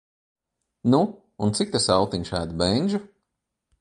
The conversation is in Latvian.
nu, un cik tas autiņš ēd bendžu?